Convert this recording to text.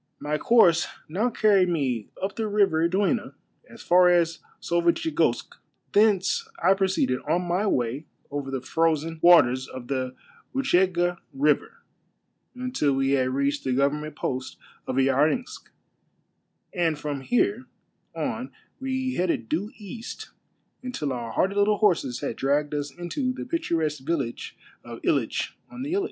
My course now carried me up the River Dwina as far as Solvitchegodsk ; thenee I proceeded on my way over the frozen A MARVELLOUS UNDERGROUND JOURNEY 11 waters of tlie Witchegda River until we had reached the govern ment post of Yarensk, and from here on we headed due East until our hardy little horses had dragged us into the picturesque village of Hitch on the Hitch.